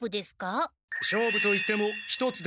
勝負といっても一つではない。